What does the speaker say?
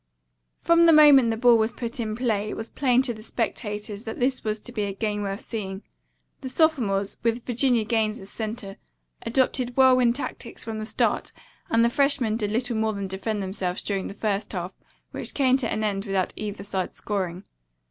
From the moment the ball was put in play it was plain to the spectators that this was to be a game worth seeing. The sophomores, with Virginia Gaines as center, adopted whirlwind tactics from the start and the freshmen did little more than defend themselves during the first half, which came to an end without either side scoring.